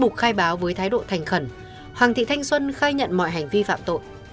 khai báo với thái độ thành khẩn hoàng thị thanh xuân khai nhận mọi hành vi phạm tội